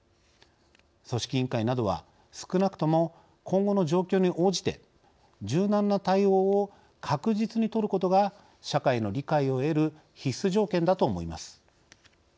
組織委員会などは少なくとも今後の状況に応じて柔軟な対応を確実に取ることが社会の理解を得る必須条件だと思います。